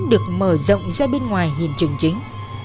được mở rộng ra bên ngoài hiện trường chính